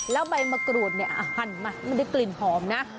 แล้วใบมะกรูดเนี่ยหั่นมามันได้กลิ่นหอมนะ